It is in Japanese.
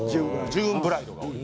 ジューンブライドが多い。